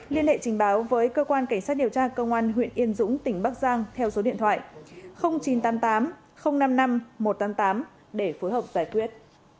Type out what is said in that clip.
liên hệ trình báo với cơ quan cảnh sát điều tra công an huyện yên dũng tỉnh bắc giang theo số điện thoại chín trăm tám mươi tám năm mươi năm một trăm tám mươi tám để phối hợp giải quyết